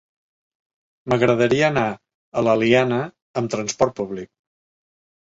M'agradaria anar a l'Eliana amb transport públic.